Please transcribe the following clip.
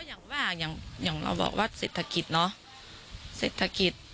ก็อย่างว่าอย่างเราบอกว่าเศรษฐกิจเนาะ